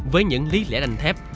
với những lý lẽ đành thân